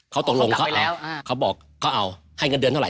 เขาตกลงเขาแล้วเขาบอกเขาเอา